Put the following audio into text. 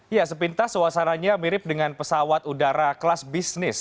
ya sepintas suasananya mirip dengan pesawat udara kelas bisnis